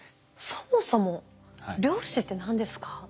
そもそも量子って何ですか？